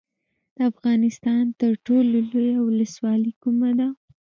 د افغانستان تر ټولو لویه ولسوالۍ کومه ده؟